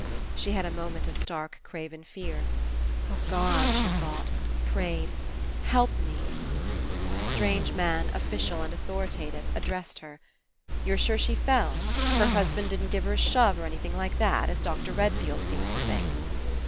She had a moment of stark craven fear. *'0h God," she thought, prayed, "help me." A strange man, official and authorita tive, addressed her. "You're sure she fell? Her husband didn't give her a shove or anything like that, as Dr. Redfield seems to think?"